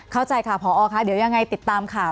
เข้าใจค่ะพอค่ะเดี๋ยวยังไงติดตามข่าว